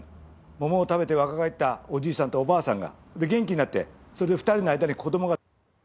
桃を食べて若返ったおじいさんとおばあさんが元気になってそれで２人の間に子供が。